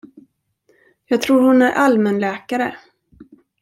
Jag tror hon är allmänläkare.